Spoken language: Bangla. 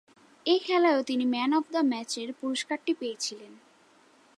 এ খেলায়ও তিনি ম্যান অব দ্য ম্যাচের পুরস্কার পেয়েছিলেন।